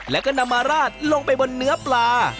แล้วก็นำมาราดลงไปบนเนื้อปลา